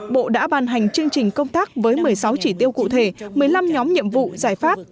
bộ đã ban hành chương trình công tác với một mươi sáu chỉ tiêu cụ thể một mươi năm nhóm nhiệm vụ giải pháp